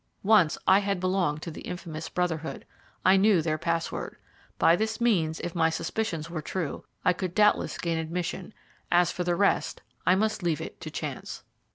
Once I had belonged to the infamous Brotherhood. I knew their password. By this means, if my suspicions were true, I could doubtless gain admission as for the rest, I must leave it to chance.